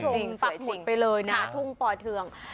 ทุ่งปอเทืองปั๊บหมดไปเลยนะ